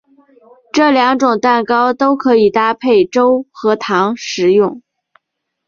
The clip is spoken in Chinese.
这两种蛋糕都可以搭配粥和糖食用。